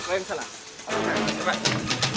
amuk kalian ke sana